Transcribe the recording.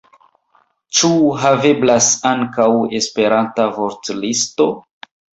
Ĉu haveblas ankaŭ Esperanta vortlisto?